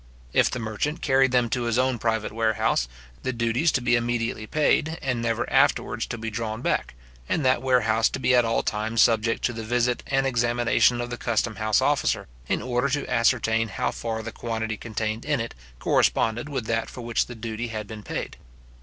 If the merchant carried them to his own private warehouse, the duties to be immediately paid, and never afterwards to be drawn back; and that warehouse to be at all times subject to the visit and examination of the custom house officer, in order to ascertain how far the quantity contained in it corresponded with that for which the duty had been paid.